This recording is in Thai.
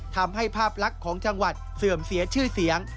ภาพลักษณ์ของจังหวัดเสื่อมเสียชื่อเสียง